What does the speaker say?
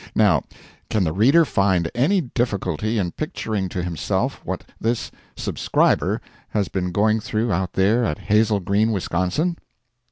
Now, can the reader find any difficulty in picturing to himself what this "Subscriber" has been going through out there at Hazel Green, Wisconsin?